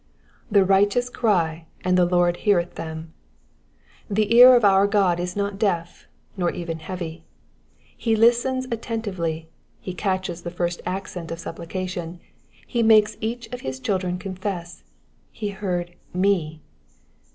The righteous cry and the Lord heareth them.'' The ear of our God is not deaf, nor even heavy. He listens attentively, he catches the first accent of supplication ; he makes each of his children confess, — "he heard me.''